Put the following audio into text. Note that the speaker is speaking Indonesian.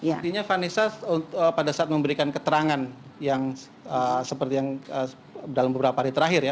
buktinya vanessa pada saat memberikan keterangan yang seperti yang dalam beberapa hari terakhir ya